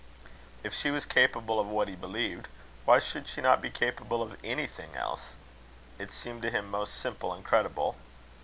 If she was capable of what he believed, why should she not be capable of anything else? It seemed to him most simple and credible.